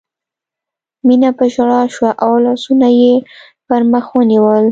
مينه په ژړا شوه او لاسونه یې پر مخ ونیول